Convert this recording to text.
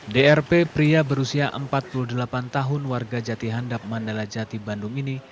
drp pria berusia empat puluh delapan tahun warga jati handap mandala jati bandung ini